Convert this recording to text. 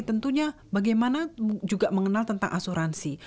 tentunya bagaimana juga mengenal tentang asuransi